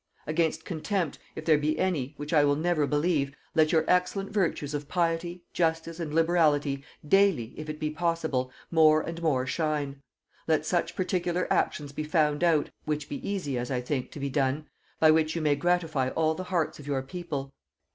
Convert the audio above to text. ...."Against contempt, if there be any, which I will never believe, let your excellent virtues of piety, justice and liberality, daily, if it be possible, more and more shine. Let such particular actions be found out (which be easy, as I think, to be done) by which you may gratify all the hearts of your people.